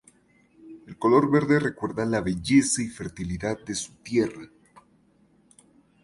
El color verde recuerda la belleza y fertilidad de su tierra.